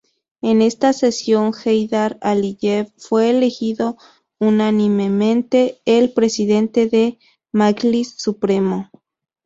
En esta sesión Heydar Aliyev fue elegido unánimemente el presidente de Majlis Supremo.